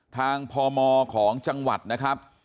พมของจังหวัดนะครับ